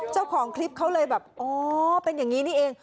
เจ้าของคลิปเขาเลยแบบอ๋อเป็นอย่างนี้นี่เอง